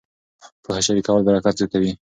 پوهه شریکول برکت زیاتوي.